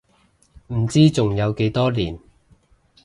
唔知仲有幾多年